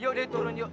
ya udah turun yuk